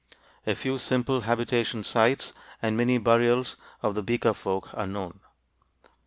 A few simple habitation sites and many burials of the Beaker folk are known.